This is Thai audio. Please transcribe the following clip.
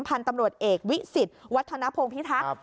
พันธุ์ตำรวจเอกวิสิตวัฒนภงพิทักษ์